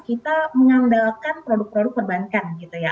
kita mengandalkan produk produk perbankan gitu ya